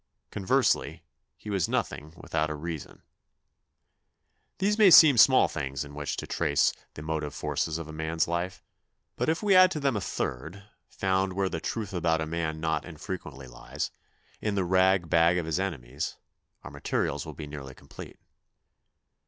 Conversely, he was nothing without a reason. These may seem small things to which to trace the motive forces of a man's life ; but if we add to them a third, found where the truth about a man not infrequently lies, in the rag bag of his enemies, our materials will be nearly complete.